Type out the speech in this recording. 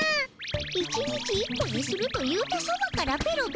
１日１個にすると言うたそばからペロペロと。